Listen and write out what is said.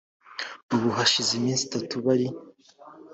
ubu hashize iminsi itatu bari